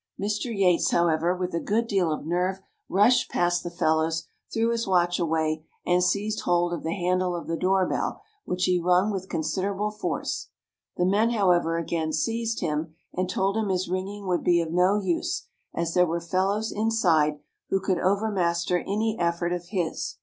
Mr. Yates, however, with a good deal of nerve, rushed past the fellows, threw his watch away, and seized hold of the handle of the door bell, which he rung with considerable force. The men, however, again seized him, and told him his ringing would be of no use, as there were fellows inside who could overmaster any effort of his.